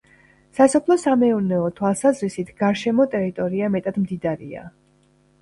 სასოფლო-სამეურნეო თვალსაზრისით გარშემო ტერიტორია მეტად მდიდარია.